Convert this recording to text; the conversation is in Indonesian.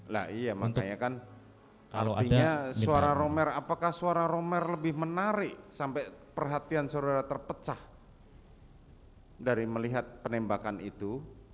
lah iya makanya kan artinya suara romer apakah suara romer lebih menarik sampai perhatian saudara terpecah dari melihat penembakan itu